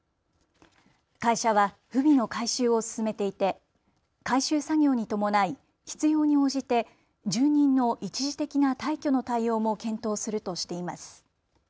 会社は不備の改修を進めていて改修作業に伴い必要に応じて住人の一時的な退去の対応も検討するとしています。